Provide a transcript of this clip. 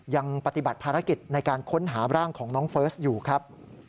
ยังปฏิบัติภารกิจในการค้นหาร่างของน้องเฟิร์สอยู่ครับ